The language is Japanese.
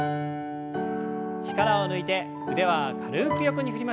力を抜いて腕は軽く横に振りましょう。